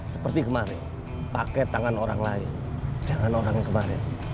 seperti kemarin pakai tangan orang lain jangan orang kemarin